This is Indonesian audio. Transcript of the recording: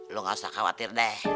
lu gak usah khawatir deh